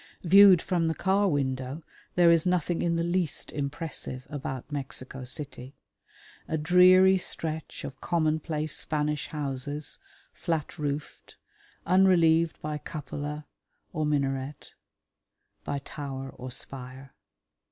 Viewed from the car window there is nothing in the least impressive about Mexico City. A dreary stretch of commonplace Spanish houses, flat roofed, unrelieved by cupola or minaret, by tower or spire.